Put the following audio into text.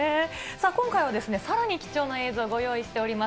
今回はさらに貴重な映像ご用意しております。